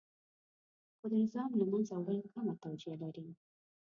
خو د نظام له منځه وړل کمه توجیه لري.